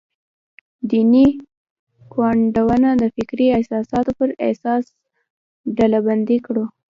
دیني ګوندونه د فکري اساساتو پر اساس ډلبندي کړو.